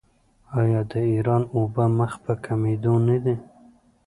آیا د ایران اوبه مخ په کمیدو نه دي؟